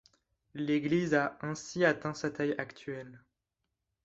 L'église a ainsi atteint sa taille actuelle.